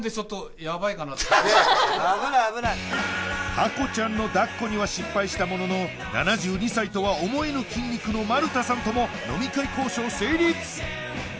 ハコちゃんのだっこには失敗したものの７２歳とは思えぬ筋肉の丸田さんとも飲み会交渉成立！